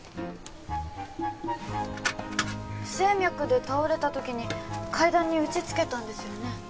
不整脈で倒れたときに階段に打ちつけたんですよね？